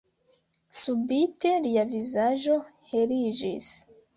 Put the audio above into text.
Subite lia vizaĝo heliĝis.